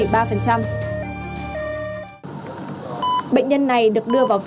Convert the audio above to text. bệnh nhân này được đưa vào viện một trăm chín mươi tám